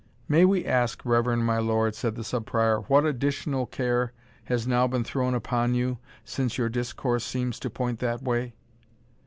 "May we ask, reverend my lord," said the Sub Prior, "what additional care has now been thrown upon you, since your discourse seems to point that way?"